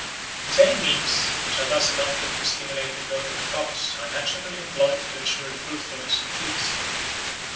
The same means which are thus adopted to stimulate the growth of the crops are naturally employed to ensure the fruitfulness of trees.